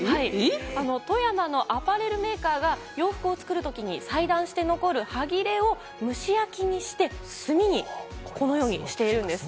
富山のアパレルメーカーが洋服を作る時に裁断して残る端切れを蒸し焼きにしてこのように炭にしているんです。